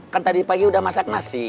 kan tadi pagi udah masak nasi